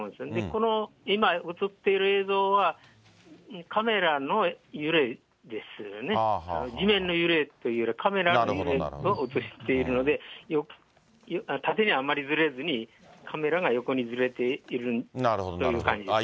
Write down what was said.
この今、写っている映像は、カメラの揺れですよね、地面の揺れというよりはカメラの揺れを写しているので、縦にあんまりずれずに、カメラが横にずれているという感じですね。